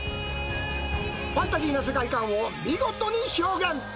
ファンタジーな世界観を見事に表現。